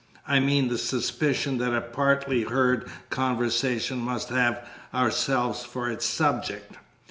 I mean the suspicion that a partly heard conversation must have ourselves for its subject.